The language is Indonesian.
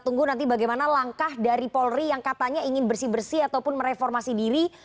tunggu nanti bagaimana langkah dari polri yang katanya ingin bersih bersih ataupun mereformasi diri